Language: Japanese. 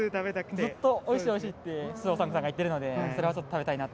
ずっと、おいしい、おいしいって、周央さんが言ってるので、それはちょっと食べたいなと。